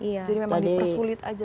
jadi memang dipersulit saja